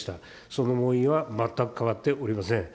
その思いは全く変わっておりません。